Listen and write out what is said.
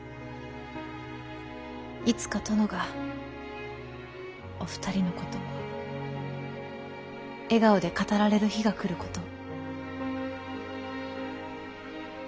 いつか殿がお二人のことを笑顔で語られる日が来ることを。